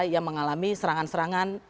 yang mengalami serangan serangan